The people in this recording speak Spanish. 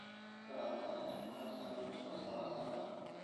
Durante el año se encuentra en el Museo de Semana Santa.